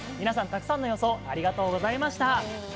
皆さん、たくさんの予想、ありがとございました。